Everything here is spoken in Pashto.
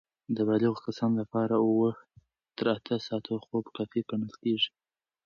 د بالغو کسانو لپاره اووه تر اته ساعتونه خوب کافي ګڼل کېږي.